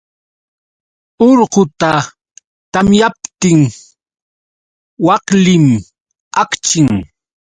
Urquta tamyaptin waklim akchin.